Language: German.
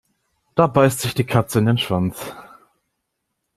Da beißt sich die Katze in den Schwanz.